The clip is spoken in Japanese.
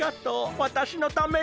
わたしのために。